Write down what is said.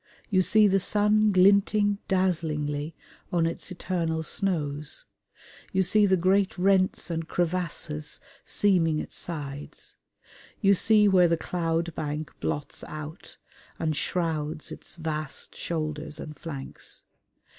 You see the sun glinting dazzlingly on its eternal snows; you see the great rents and crevasses seaming its sides; you see where the cloud bank blots out and shrouds its vast shoulders and flanks.